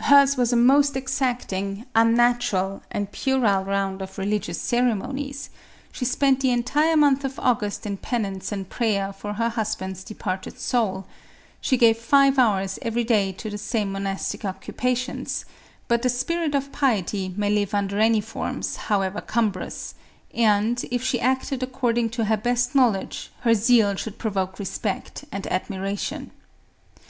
Hers was a most exacting, unnatural and puerile round of religious ceremonies ; she spent the entire month of August in penance and prayer for her husband's departed soul ; she gave five hours every day to the same monastic occupations ; but the spirit of piety may live under any forms, however cum brous ; and, if she acted according to her best knowl edge, her zeal should provoke respect and admiration.